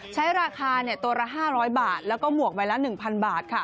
ใช้ราคาตัวละ๕๐๐บาทแล้วก็หมวกใบละ๑๐๐บาทค่ะ